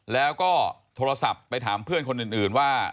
แล้วก็โทรศัพท์ไปถามเพื่อนคนอื่นว่า